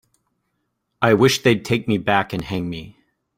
I wish they'd take me back and hang me.